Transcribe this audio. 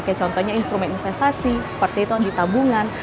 kayak contohnya instrumen investasi seperti itu yang di tabungan